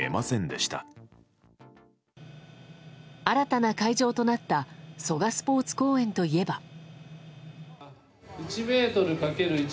新たな会場となった蘇我スポーツ公園といえば。